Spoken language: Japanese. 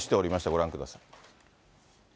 ご覧ください。